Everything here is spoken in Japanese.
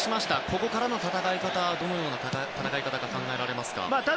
ここからの戦い方どのような戦い方が考えられますか？